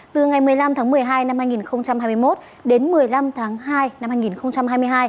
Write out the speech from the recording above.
từ ngày một mươi năm tháng một mươi hai năm hai nghìn hai mươi một đến một mươi năm tháng hai năm hai nghìn hai mươi hai